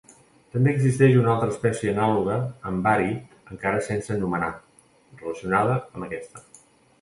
També existeix una altra espècia anàloga amb bari encara sense anomenar relacionada amb aquesta.